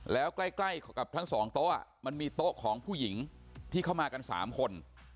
แล้วใกล้กับทั้งสองโต๊ะมันมีโต๊ะของผู้หญิงที่เข้ามากัน๓คน